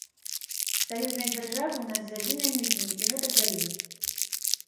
Саюзная дзяржава ў нас з адзінай мытняй і гэтак далей.